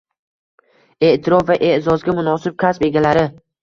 E’tirof va e’zozga munosib kasb egalari